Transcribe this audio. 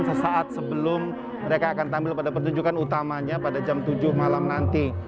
sesaat sebelum mereka akan tampil pada pertunjukan utamanya pada jam tujuh malam nanti